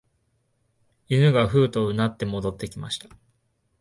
犬がふうと唸って戻ってきました